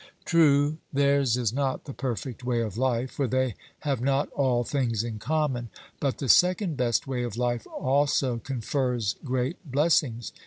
True, theirs is not the perfect way of life, for they have not all things in common; but the second best way of life also confers great blessings.